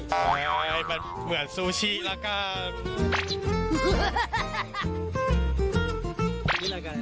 ใช่มันเหมือนสู้ชิแล้วกลาง